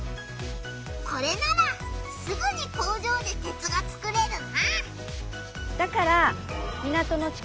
これならすぐに工場で鉄が作れるな！